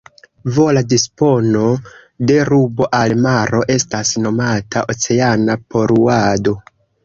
Vola dispono de rubo al maro estas nomata "oceana poluado".